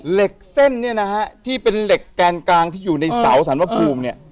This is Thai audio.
เหล็กเส้นเนี่ยนะฮะที่เป็นเหล็กแกนกลางที่อยู่ในเสาสรรพภูมิเนี่ย